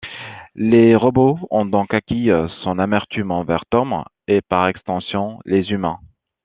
Les robots ont donc acquis son amertume envers Thom, et par extension les humains.